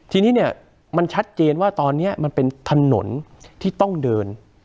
ทีนี้เนี่ยมันชัดเจนว่าตอนนี้มันเป็นถนนที่ต้องเดิน